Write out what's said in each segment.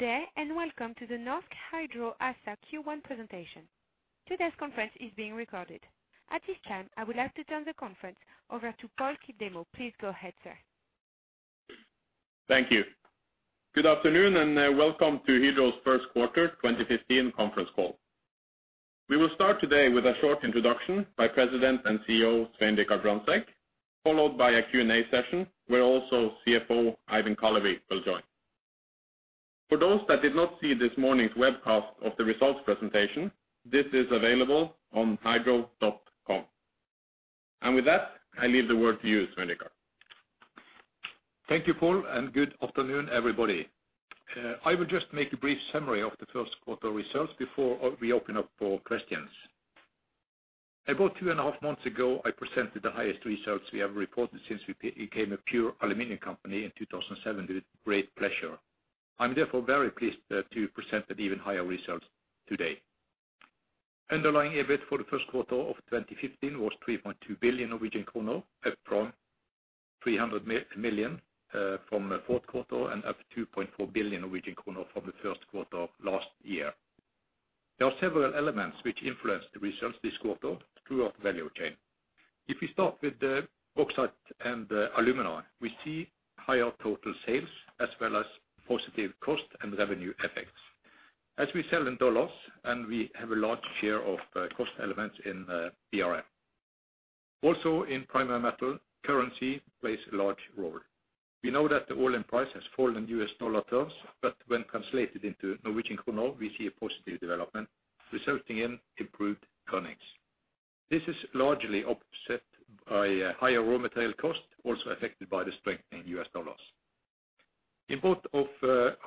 Good day, and welcome to the Norsk Hydro ASA Q1 presentation. Today's conference is being recorded. At this time, I would like to turn the conference over to Pål Kildemo. Please go ahead, sir. Thank you. Good afternoon, and welcome to Norsk Hydro's first quarter 2015 conference call. We will start today with a short introduction by President and CEO Svein Richard Brandtzæg, followed by a Q&A session where also CFO Eivind Kallevik will join. For those that did not see this morning's webcast of the results presentation, this is available on hydro.com. With that, I leave the word to you, Svein Richard. Thank you, Pål, and good afternoon, everybody. I will just make a brief summary of the first quarter results before we open up for questions. About two and a half months ago, I presented the highest results we have reported since we became a pure aluminum company in 2007 with great pleasure. I'm therefore very pleased to present an even higher results today. Underlying EBIT for the first quarter of 2015 was 3.2 billion Norwegian kroner, up from 300 million from fourth quarter and up 2.4 billion Norwegian kroner from the first quarter of last year. There are several elements which influenced the results this quarter through our value chain. If we start with the oxide and the alumina, we see higher total sales as well as positive cost and revenue effects. As we sell in dollars and we have a large share of cost elements in BRL. Also in Primary Metal, currency plays a large role. We know that the LME price has fallen in U.S. dollar terms, but when translated into Norwegian kroner, we see a positive development resulting in improved earnings. This is largely offset by a higher raw material cost, also affected by the strengthening U.S. dollars. In both of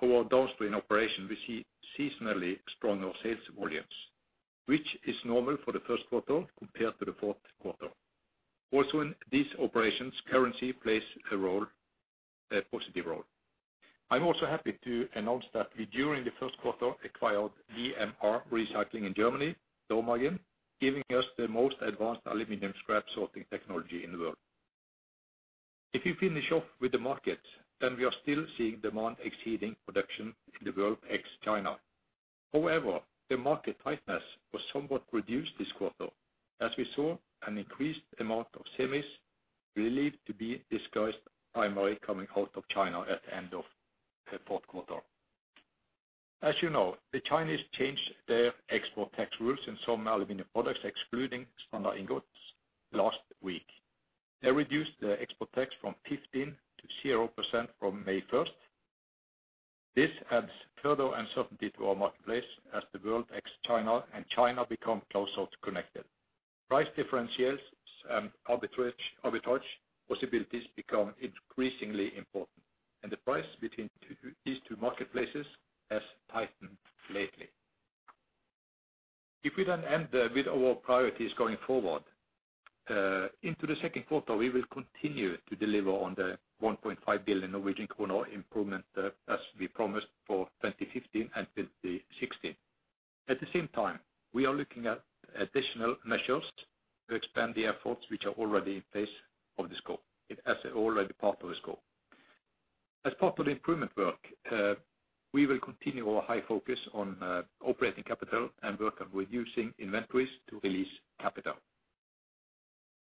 our downstream operations, we see seasonally stronger sales volumes, which is normal for the first quarter compared to the fourth quarter. Also in these operations, currency plays a role, a positive role. I'm also happy to announce that we during the first quarter acquired WMR Recycling in Germany, Dormagen, giving us the most advanced aluminum scrap sorting technology in the world. If you finish off with the markets, we are still seeing demand exceeding production in the world ex China. However, the market tightness was somewhat reduced this quarter as we saw an increased amount of semis believed to be disguised primary coming out of China at the end of the fourth quarter. As you know, the Chinese changed their export tax rules in some aluminum products, excluding standard ingots last week. They reduced the export tax from 15% to 0% from May first. This adds further uncertainty to our marketplace as the world ex China and China become closer connected. Price differentials and arbitrage possibilities become increasingly important, and the price between these two marketplaces has tightened lately. If we then end with our priorities going forward, into the second quarter, we will continue to deliver on the 1.5 billion Norwegian kroner improvement, as we promised for 2015 and 2016. At the same time, we are looking at additional measures to expand the efforts which are already in place as part of the scope. As part of the improvement work, we will continue our high focus on operating capital and work on reducing inventories to release capital.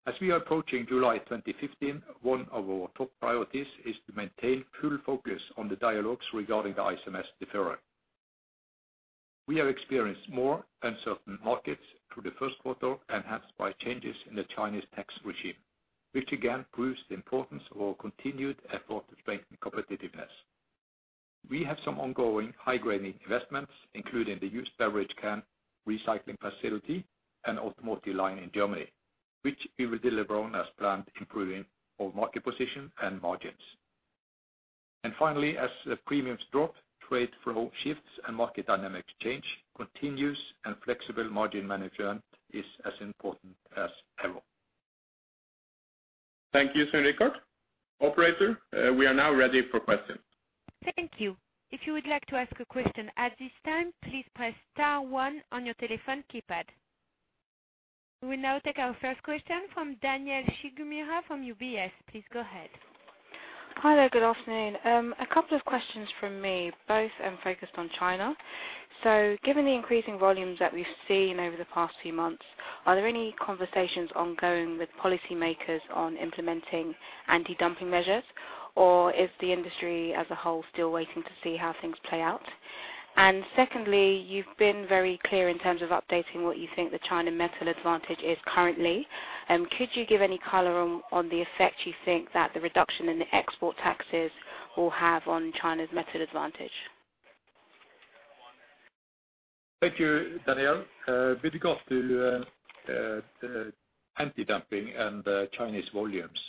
As we are approaching July 2015, one of our top priorities is to maintain full focus on the dialogues regarding the ICMS deferral. We have experienced more uncertain markets through the first quarter, enhanced by changes in the Chinese tax regime, which again proves the importance of our continued effort to strengthen competitiveness. We have some ongoing high-grade investments, including the used beverage can recycling facility and automotive line in Germany, which we will deliver on as planned, improving our market position and margins. Finally, as the premiums drop, trade flow shifts and market dynamics change, continuous and flexible margin management is as important as ever. Thank you, Svein Richard. Operator, we are now ready for questions. Thank you. If you would like to ask a question at this time, please press star one on your telephone keypad. We will now take our first question from Daniel Major from UBS. Please go ahead. Hello, good afternoon. A couple of questions from me, both focused on China. Given the increasing volumes that we've seen over the past few months, are there any conversations ongoing with policymakers on implementing anti-dumping measures? Or is the industry as a whole still waiting to see how things play out? Secondly, you've been very clear in terms of updating what you think the China metal advantage is currently. Could you give any color on the effect you think that the reduction in the export taxes will have on China's metal advantage? Thank you, Danielle. With regard to the anti-dumping and Chinese volumes,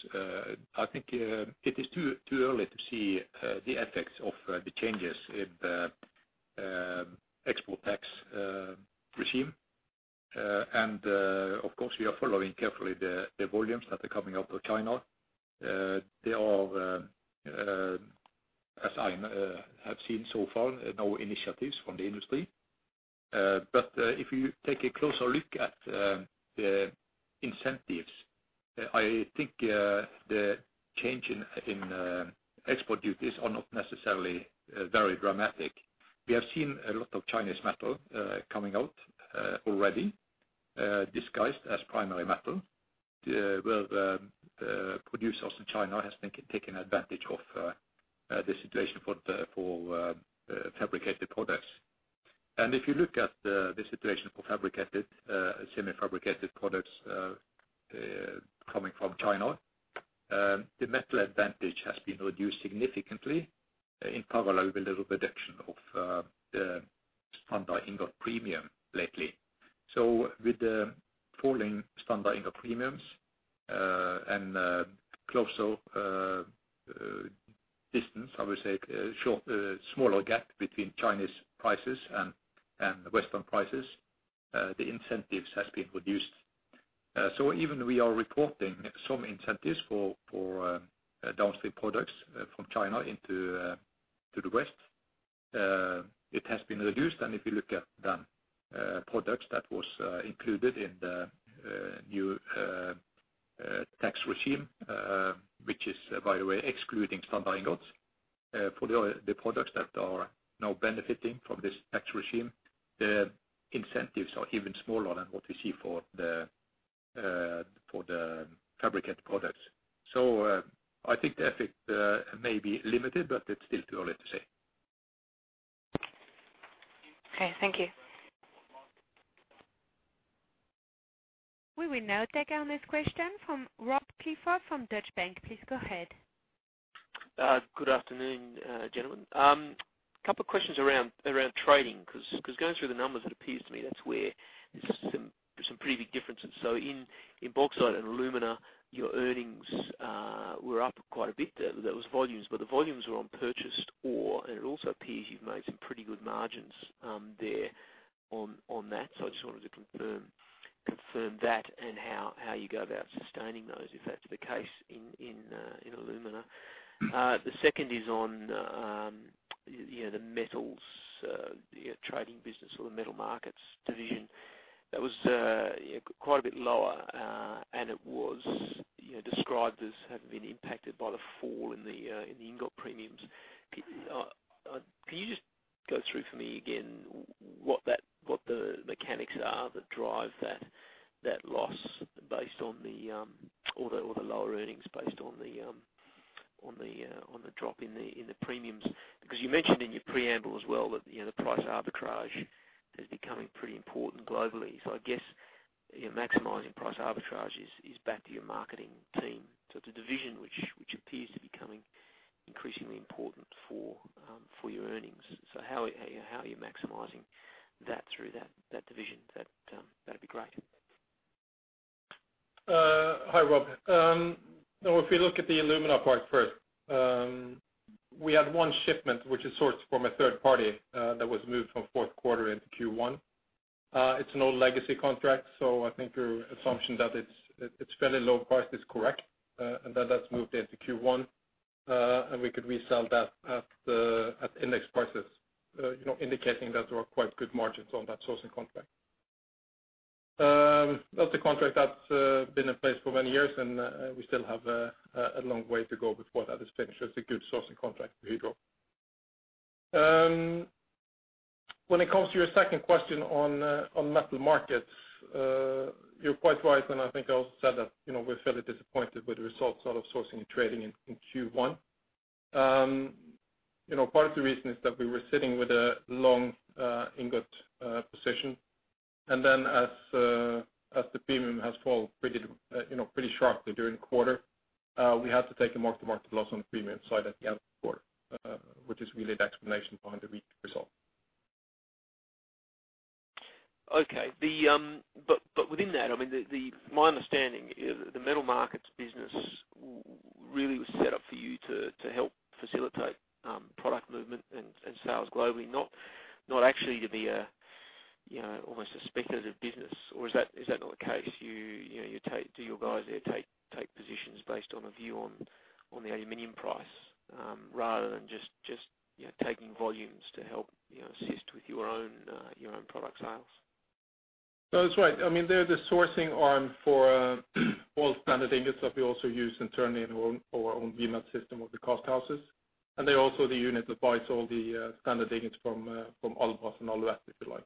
I think it is too early to see the effects of the changes in the export tax regime. Of course, we are following carefully the volumes that are coming out of China. There are, as I have seen so far, no initiatives from the industry. If you take a closer look at the incentives, I think the change in export duties are not necessarily very dramatic. We have seen a lot of Chinese metal coming out already disguised as primary metal. Well, the producers in China has taken advantage of the situation for the fabricated products. If you look at the situation for fabricated, semi-fabricated products coming from China, the metal advantage has been reduced significantly in parallel with the reduction of the standard ingot premium lately. With the falling standard ingot premiums and closer distance, I would say, smaller gap between Chinese prices and Western prices, the incentives has been reduced. Even we are reporting some incentives for downstream products from China into the West. It has been reduced, and if you look at the products that was included in the new tax regime, which is, by the way, excluding sponge iron ingots, for the products that are now benefiting from this tax regime, the incentives are even smaller than what we see for the fabricated products. I think the effect may be limited, but it's still too early to say. Okay, thank you. We will now take our next question from Robert Clifford from Deutsche Bank. Please go ahead. Good afternoon, gentlemen. Couple questions around trading 'cause going through the numbers, it appears to me that's where there's some pretty big differences. In bauxite and alumina, your earnings were up quite a bit. That was volumes, but the volumes were on purchased ore, and it also appears you've made some pretty good margins there on that. I just wanted to confirm that and how you go about sustaining those if that's the case in alumina. The second is on you know, the metals trading business or the Metal Markets division. That was quite a bit lower, and it was you know, described as having been impacted by the fall in the ingot premiums. Can you just go through for me again what the mechanics are that drive that loss based on the lower earnings based on the drop in the premiums? Because you mentioned in your preamble as well that, you know, the price arbitrage is becoming pretty important globally. I guess, you know, maximizing price arbitrage is back to your marketing team. It's a division which appears to be becoming increasingly important for your earnings. How are you maximizing that through that division? That'd be great. Hi, Robert Clifford. Now if you look at the alumina part first, we had one shipment which is sourced from a third party, that was moved from fourth quarter into Q1. It's an old legacy contract, so I think your assumption that it's fairly low price is correct, and that's moved into Q1. We could resell that at the index prices, you know, indicating that there were quite good margins on that sourcing contract. That's a contract that's been in place for many years, and we still have a long way to go before that is finished. That's a good sourcing contract we hold. When it comes to your second question on Metal Markets, you're quite right, and I think I also said that, you know, we're fairly disappointed with the results out of sourcing and trading in Q1. You know, part of the reason is that we were sitting with a long ingot position. As the premium has fallen pretty, you know, pretty sharply during the quarter, we had to take a mark-to-market loss on the premium side at the end of the quarter, which is really the explanation behind the weak result. Okay. Within that, I mean, my understanding is the Metal Markets business really was set up for you to help facilitate product movement and sales globally, not actually to be a, you know, almost a speculative business. Or is that not the case? You know, do your guys there take positions based on a view on the aluminum price rather than just taking volumes to help, you know, assist with your own product sales? No, that's right. I mean, they're the sourcing arm for all standard ingots that we also use internally in our own remelt system of the cast houses. They're also the unit that buys all the standard ingots from Albras and all of that, if you like.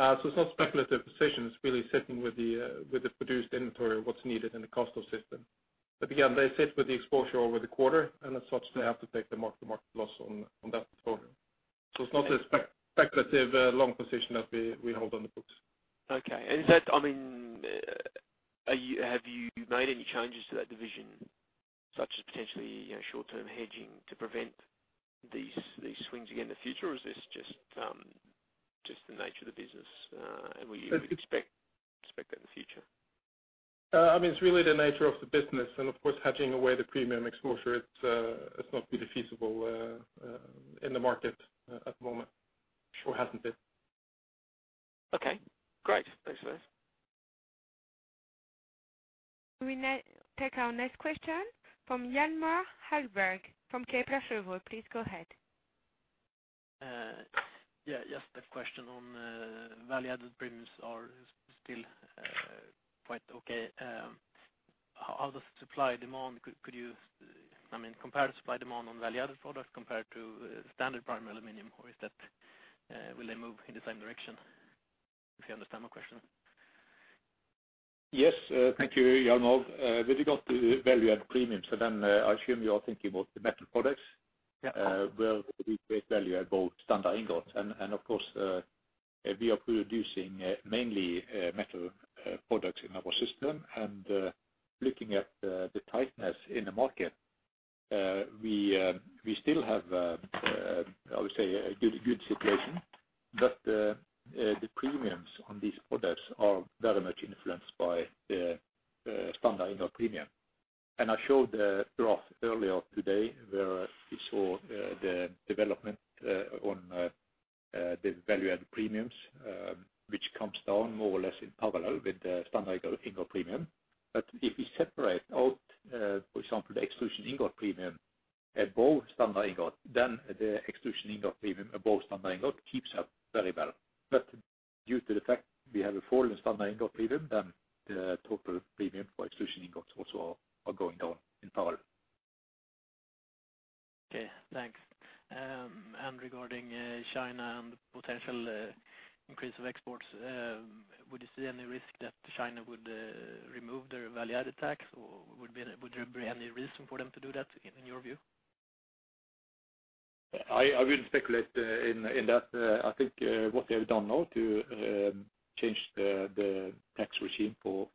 It's not a speculative position. It's really sitting with the produced inventory of what's needed in the cast house system. Again, they sit with the exposure over the quarter, and as such, they have to take the mark-to-market loss on that exposure. It's not a speculative long position that we hold on the books. Okay. Have you made any changes to that division, such as potentially, you know, short-term hedging to prevent these swings again in the future? Is this just the nature of the business, and we- It's- expect that in the future? I mean, it's really the nature of the business. Of course hedging away the premium exposure, it's not really feasible in the market at the moment, or hasn't been. Okay. Great. Thanks for this. We take our next question from Hjalmar Ahlberg from Kepler Cheuvreux. Please go ahead. Yeah, just a question on value-added premiums are still quite okay. Could you, I mean, compare supply and demand on value-added products compared to standard primary aluminum, or is that will they move in the same direction? If you understand my question. Yes, thank you, Hjalmar. When you got the value-added premiums, so then I assume you are thinking about the metal products. Yeah. Well, we create value-added both standard ingots and, of course, we are producing mainly metal products in our system. Looking at the tightness in the market, we still have, I would say, a good situation. The premiums on these products are very much influenced by the standard ingot premium. I showed a graph earlier today any reason for them to do that in your view? I wouldn't speculate in that. I think what they've done now to change the tax regime for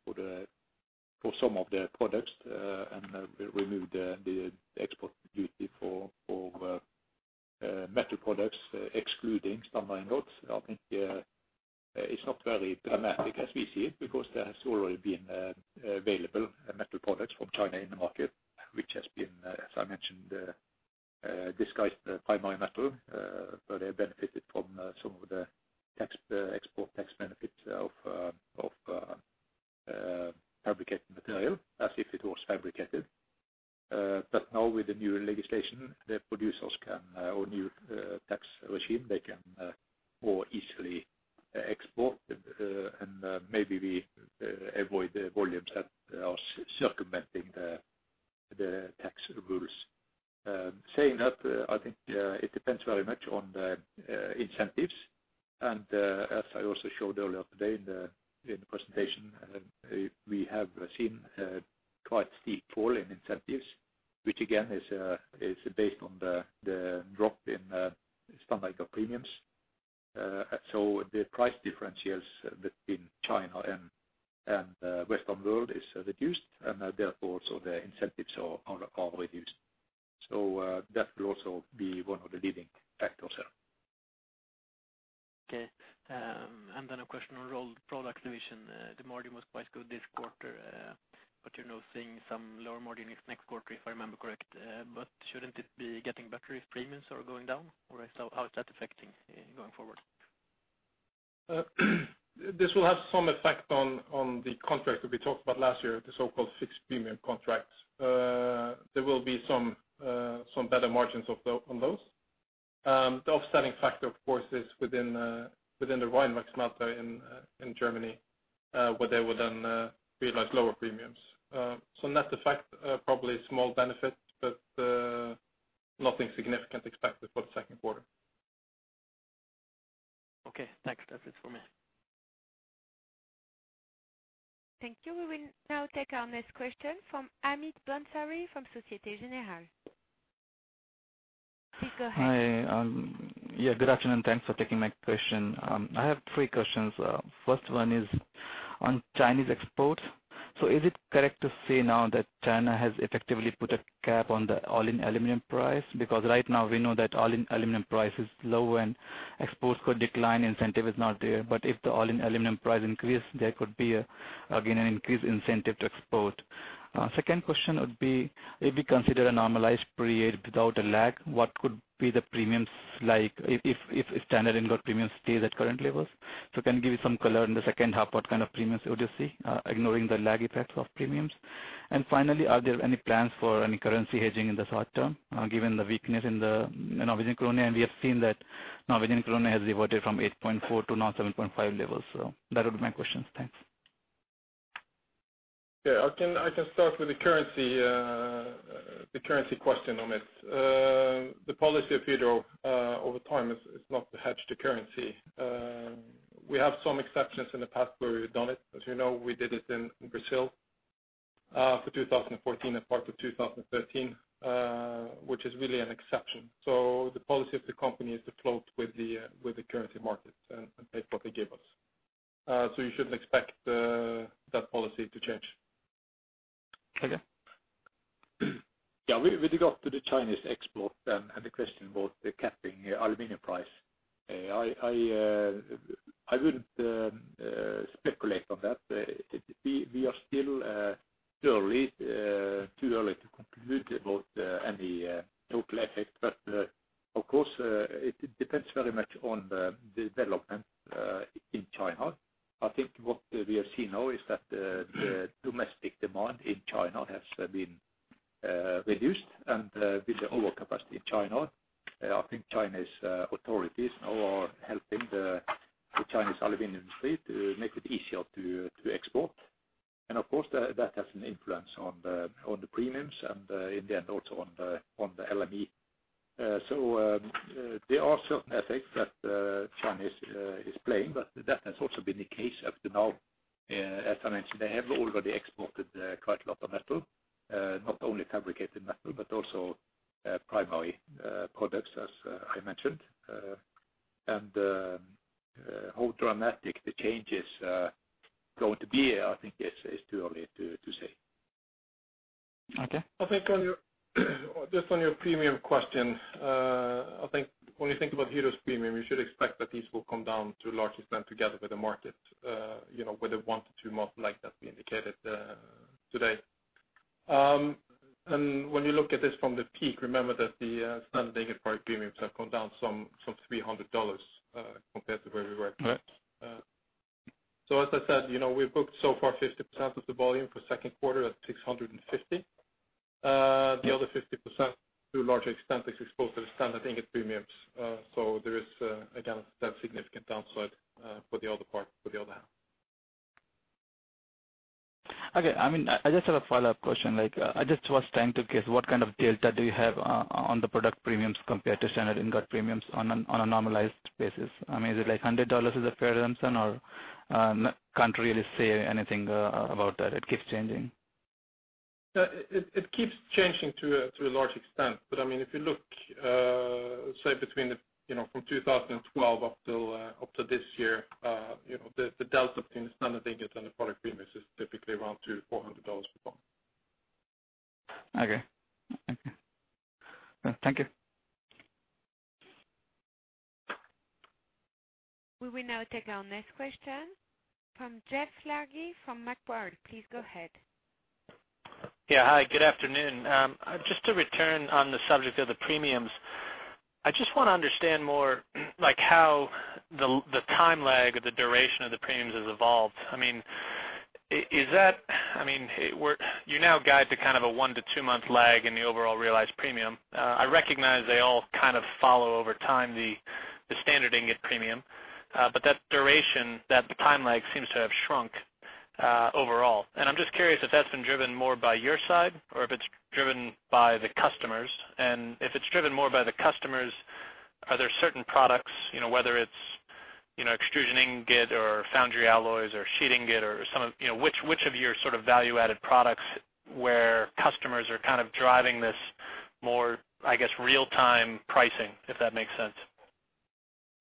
some of their products and remove the export duty for metal products excluding standard ingots. I think it's not very dramatic as we see it, because there has already been available metal products from China in the market, which has been, as I mentioned, disguised primary metal, but they benefited from some of the export tax benefits of fabricated material as if it was fabricated. Now with the new legislation or new tax regime, the producers can more easily export, and maybe we avoid the volumes that are circumventing the tax rules. Saying that, I think it depends very much on the incentives. As I also showed earlier today in the presentation, we have seen a quite steep fall in incentives, which again is based on the drop in standard ingot premiums. The price differentials between China and the Western world is reduced, and therefore also the incentives are reduced. That will also be one of the leading factors there. Okay. A question on Rolled Products division. The margin was quite good this quarter, but you're now seeing some lower margin next quarter, if I remember correct. Shouldn't it be getting better if premiums are going down? Or so how is that affecting going forward? This will have some effect on the contracts that we talked about last year, the so-called fixed premium contracts. There will be some better margins on those. The offsetting factor of course is within the Rheinwerk metal in Germany, where they will then realize lower premiums. Net effect probably a small benefit, but nothing significant expected for the second quarter. Okay, thanks. That's it for me. Thank you. We will now take our next question from Amos Fletcher from Societe Generale. Please go ahead. Hi. Good afternoon. Thanks for taking my question. I have three questions. First one is on Chinese exports. Is it correct to say now that China has effectively put a cap on the all-in aluminum price? Because right now we know that all-in aluminum price is low and exports could decline, incentive is not there. But if the all-in aluminum price increase, there could be again an increased incentive to export. Second question would be, if you consider a normalized period without a lag, what could be the premiums like if standard ingot premium stays at current levels? Can you give some color in the second half, what kind of premiums would you see, ignoring the lag effects of premiums? Finally, are there any plans for any currency hedging in the short term, given the weakness in the Norwegian krone? We have seen that Norwegian krone has diverged from 8.4 to now 7.5 levels. That would be my questions. Thanks. Yeah, I can start with the currency question, Amos. The policy of Hydro over time is not to hedge the currency. We have some exceptions in the past where we've done it. As you know, we did it in Brazil for 2014 and part of 2013, which is really an exception. The policy of the company is to float with the currency markets and take what they give us. You shouldn't expect that policy to change. Okay. Yeah, with regard to the Chinese export then, and the question about the capping aluminum price, I wouldn't speculate on that. We are still too early to conclude about any total effect. Of course, it depends very much on the development in China. I think what we are seeing now is that the domestic demand in China has been reduced and with the overcapacity in China, I think Chinese authorities now are helping the Chinese aluminum industry to make it easier to export. Of course, that has an influence on the premiums and in the end also on the LME. There are certain effects that Chinese is playing, but that has also been the case up to now. As I mentioned, they have already exported quite a lot of metal, not only fabricated metal, but also primary products as I mentioned. How dramatic the change is going to be, I think is too early to say. Okay. Just on your premium question, I think when you think about Hydro's premium, you should expect that these will come down to a large extent together with the market, you know, with a one to two-month lag that's been indicated today. When you look at this from the peak, remember that the standard ingot premiums have come down some $300 compared to where we were. Right. As I said, you know, we've booked so far 50% of the volume for second quarter at $650. The other 50% to a large extent is exposed to the standard ingot premiums. There is, again, that significant downside for the other part, for the other half. Okay. I mean, I just had a follow-up question. Like, I just was trying to guess what kind of delta do you have on the product premiums compared to standard ingot premiums on a normalized basis? I mean, is it like $100 is a fair assumption or can't really say anything about that, it keeps changing? It keeps changing to a large extent. I mean, if you look, say between, you know, from 2012 up to this year, you know, the delta between the standard ingot and the product premiums is typically around $200 to $400 per ton. Okay. Thank you. We will now take our next question from Jeff Largey from Macquarie. Please go ahead. Yeah. Hi, good afternoon. Just to return on the subject of the premiums, I just wanna understand more, like how the time lag or the duration of the premiums has evolved. I mean, you now guide to kind of a one to two-month lag in the overall realized premium. I recognize they all kind of follow over time the standard ingot premium. But that duration, that time lag seems to have shrunk overall. I'm just curious if that's been driven more by your side or if it's driven by the customers. If it's driven more by the customers, are there certain products, you know, whether it's, you know, extrusion ingot or foundry alloys or sheet ingot or some of... You know, which of your sort of value-added products where customers are kind of driving this more, I guess, real-time pricing, if that makes sense?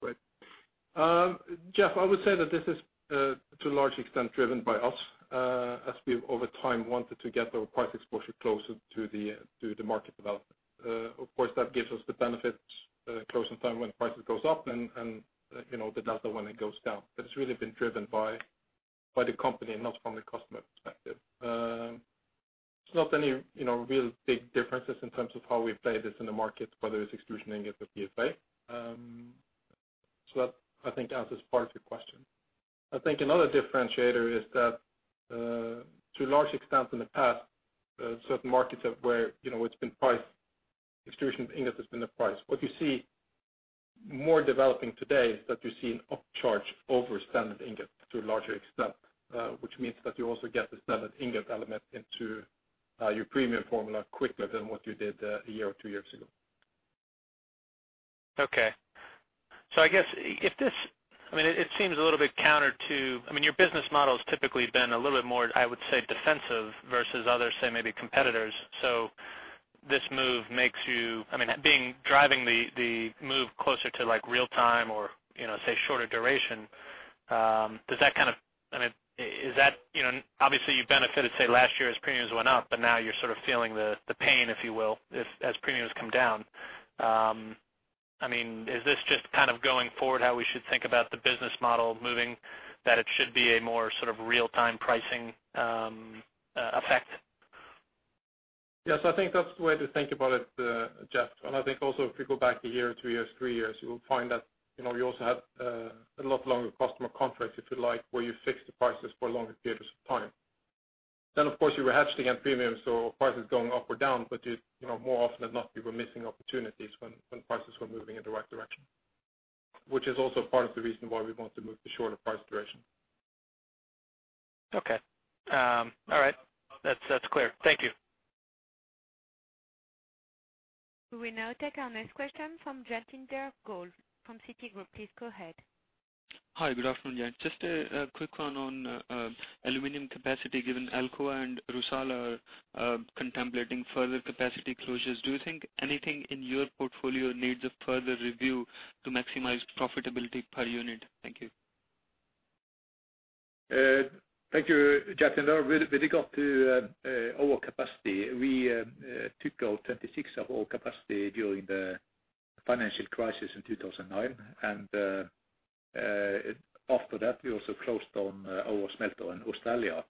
Right. Jeff, I would say that this is to a large extent driven by us as we've over time wanted to get our price exposure closer to the to the market development. Of course, that gives us the benefits close in time when prices goes up and you know, the delta when it goes down. It's really been driven by the company and not from the customer perspective. There's not any you know, real big differences in terms of how we play this in the market, whether it's extrusion ingot or VFA. That, I think, answers part of your question. I think another differentiator is that to a large extent in the past certain markets where you know, it's been price, extrusion ingot has been the price. What you see more developing today is that you see an upcharge over standard ingot to a larger extent, which means that you also get the standard ingot element into your premium formula quicker than what you did a year or two years ago. Okay. I guess if this, I mean, it seems a little bit counter to, I mean, your business model's typically been a little bit more, I would say, defensive versus others, say maybe competitors. This move makes you, I mean, driving the move closer to like real time or, you know, say, shorter duration, does that kind of, I mean, is that, you know, obviously, you benefited, say, last year as premiums went up, but now you're sort of feeling the pain, if you will, as premiums come down. I mean, is this just kind of going forward how we should think about the business model moving, that it should be a more sort of real-time pricing effect? Yes, I think that's the way to think about it, Jeff. I think also if you go back a year, two years, three years, you will find that, you know, you also had a lot longer customer contracts, if you like, where you fixed the prices for longer periods of time. Of course, you were hedged against premiums, so prices going up or down, but you know, more often than not, we were missing opportunities when prices were moving in the right direction, which is also part of the reason why we want to move to shorter price duration. Okay. All right. That's clear. Thank you. We will now take our next question from Jatinder Goel from Citigroup. Please go ahead. Hi, good afternoon, Jatinder. Just a quick one on aluminum capacity, given Alcoa and Rusal are contemplating further capacity closures. Do you think anything in your portfolio needs a further review to maximize profitability per unit? Thank you. Thank you, Jatinder. With regard to overcapacity, we took out 26% of our capacity during the financial crisis in 2009. After that, we also closed on our smelter in Australia,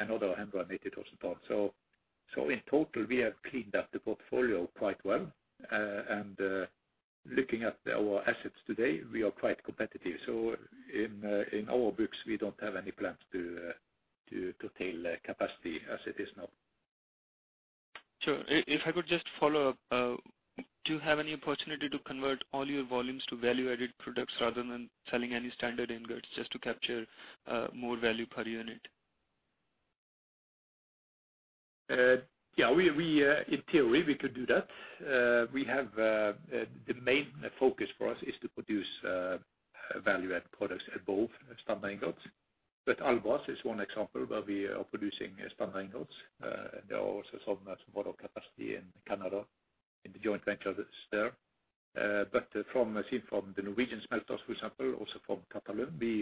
another 180,000 tons. In total, we have cleaned up the portfolio quite well. Looking at our assets today, we are quite competitive. In our books, we don't have any plans to curtail capacity as it is now. Sure. If I could just follow up. Do you have any opportunity to convert all your volumes to value-added products rather than selling any standard ingots just to capture more value per unit? Yeah, in theory, we could do that. We have the main focus for us is to produce value-added products as well as standard ingots. Albras is one example where we are producing standard ingots. There are also some Alouette smelter capacity in Canada, in the joint ventures there. Seen from the Norwegian smelters, for example, also from Qatalum, we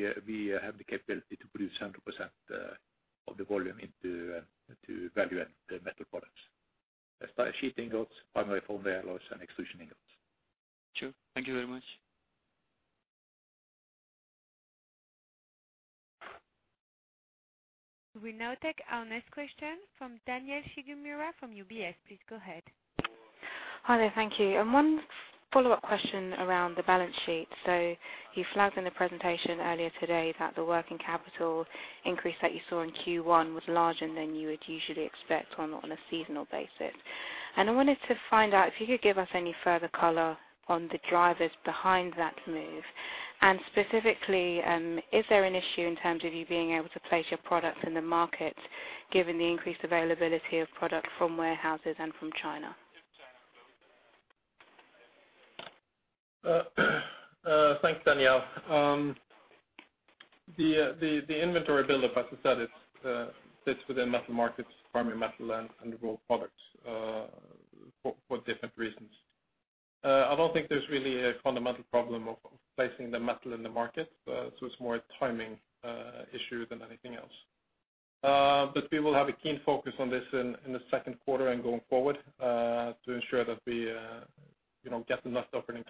have the capability to produce 100% of the volume into value-added metal products. Sheet ingots, primary foundry alloys, and extrusion ingots. Sure. Thank you very much. We now take our next question from Daniel Major from UBS. Please go ahead. Hi there. Thank you. One follow-up question around the balance sheet. You flagged in the presentation earlier today that the working capital increase that you saw in Q1 was larger than you would usually expect on a seasonal basis. I wanted to find out if you could give us any further color on the drivers behind that move. Specifically, is there an issue in terms of you being able to place your products in the market given the increased availability of product from warehouses and from China? Thanks, Daniel. The inventory buildup, as I said, it fits within Metal Markets, Primary Metal and Rolled Products for different reasons. I don't think there's really a fundamental problem of placing the metal in the market. It's more a timing issue than anything else. We will have a keen focus on this in the second quarter and going forward to ensure that we, you know, get the net operating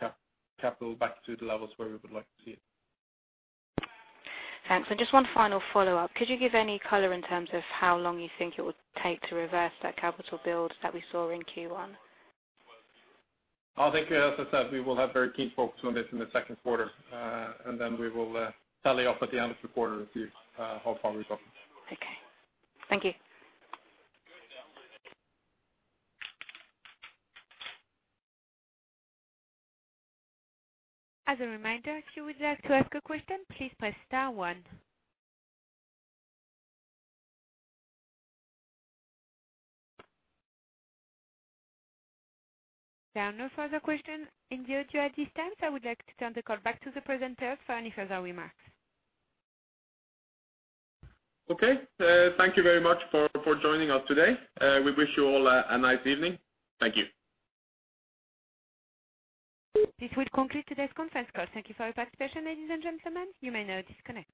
working capital back to the levels where we would like to see it. Thanks. Just one final follow-up. Could you give any color in terms of how long you think it would take to reverse that capital build that we saw in Q1? I think, as I said, we will have very keen focus on this in the second quarter, and then we will tally up at the end of the quarter and see how far we've gotten. Okay. Thank you. As a reminder, if you would like to ask a question, please press star one. There are no further questions in the queue at this time. I would like to turn the call back to the presenters for any further remarks. Okay. Thank you very much for joining us today. We wish you all a nice evening. Thank you. This would conclude today's conference call. Thank you for your participation, ladies and gentlemen. You may now disconnect.